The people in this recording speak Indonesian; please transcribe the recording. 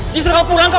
jangan mau pulang